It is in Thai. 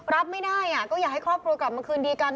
รับไม่ได้ก็อยากให้ครอบครัวกลับมาคืนดีกัน